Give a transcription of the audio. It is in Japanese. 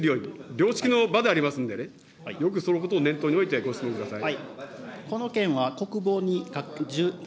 良識の場でありますんでね、よくそのことを念頭に置いて、ご質問ください。